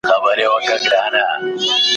ارواښاد شمس القمر اندېش